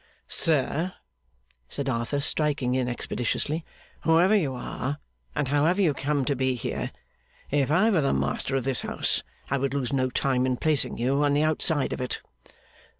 'Sir,' said Arthur, striking in expeditiously, 'whoever you are, and however you come to be here, if I were the master of this house I would lose no time in placing you on the outside of it.